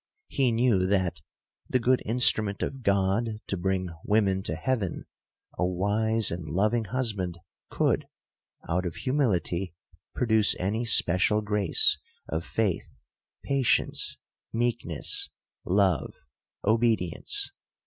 He knew that (the good instrument of God to bring women to heaven) a wise and loving husband could, out of humility, produce any special grace of faith, patience, meekness, love, obedience, &c.